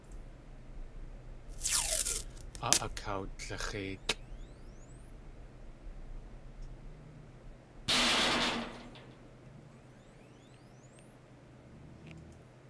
Áa akawdlix̲éitlʼ.